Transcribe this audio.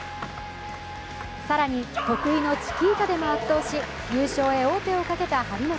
更に、得意のチキータでも圧倒し優勝へ王手をかけた張本。